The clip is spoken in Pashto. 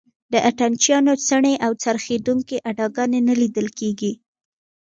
د اتڼ چیانو څڼې او څرخېدونکې اداګانې نه لیدل کېږي.